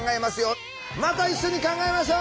また一緒に考えましょう。